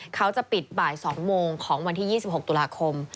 เขาจะปิดบ่าย๒โมงของวันที่๒๖ตุลาคม